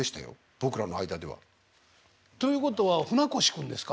僕らの間では。ということはフナコシ君ですか？